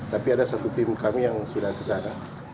tapi ada satu tim kami yang sudah kesana